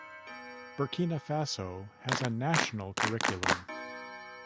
Burkina Faso has a national curriculum.